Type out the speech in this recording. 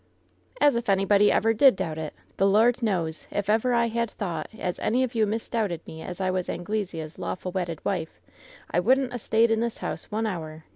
"As if anybody ever did doubt it. The Lord knows if ever I had thought as any of you misdoubted as I was Anglesea's lawful wedded wife, I wouldn't a stayed in this house one hour.